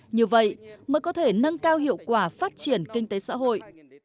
như vậy mới có thể nâng cao hiệu quả phát triển kinh tế xã hội